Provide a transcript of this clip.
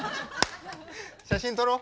写真撮ろう。